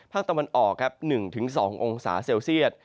ภาคตะวันออก๑๒องศาเซียด